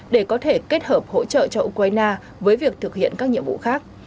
để có thể kết hợp hỗ trợ cho ukraine với việc thực hiện các nhiệm vụ khác